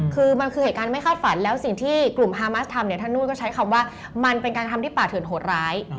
คือมันคือเหตุการณ์ไม่คาดฝันแล้วสิ่งที่กลุ่มฮามัสทำเนี่ยท่านนู่นก็ใช้คำว่ามันเป็นการทำที่ป่าเถื่อนโหดร้าย